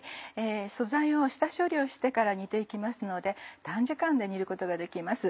素材を下処理をしてから煮て行きますので短時間で煮ることができます。